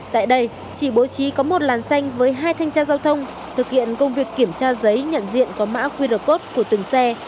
tại đây chỉ bố trí có một làn xanh với hai thanh tra giao thông thực hiện công việc kiểm tra giấy nhận diện có mã qr code của từng xe